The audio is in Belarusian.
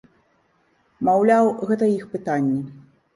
Маўляў, гэта іх пытанні.